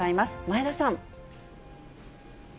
前田さん。